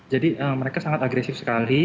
jadi mereka sangat agresif sekali